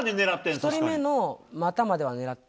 １人目の股までは狙って。